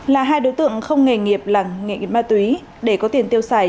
là hai đối tượng không nghề nghiệp là nghệ nghiệp ma túy để có tiền tiêu xài